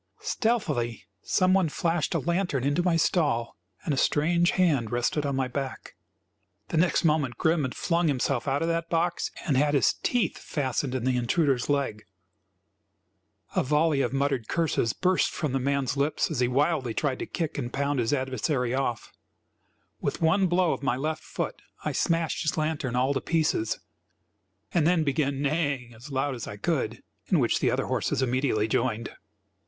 Stealthily some one flashed a lantern into my stall and a strange hand rested on my back. The next moment Grim had flung himself out of that box and had his teeth fastened in the intruder's leg. A volley of muttered curses burst from the man's lips as he wildly tried to kick and pound his adversary off. With one blow of my left foot I smashed his lantern all to pieces, and then began neighing as loud as I could, in which the other horses immediately joined.